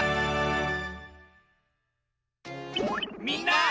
みんな！